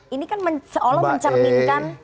ini kan seolah mencerminkan